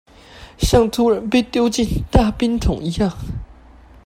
像突然被丟進大冰桶一樣